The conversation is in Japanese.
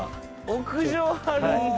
屋上あるんだ。